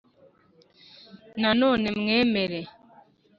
Nanone mwemere